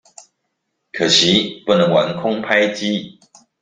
可惜不能玩空拍機